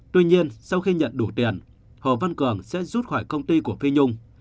tuy nhiên sau khi nhận đủ tiền hồ văn cường sẽ rút khỏi công ty của phi nhung